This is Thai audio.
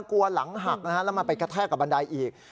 กลัวหลังหักนะแล้วมาไปกระแทกกับบันไดอีก